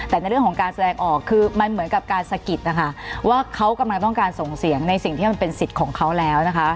แต่ในเรื่องของการแสดงออกคือมันเหมือนกับการสะกิดนะคะว่าเขากำลังต้องการส่งเสียงในสิ่งที่มันเป็นสิทธิ์ของเขาแล้วนะคะ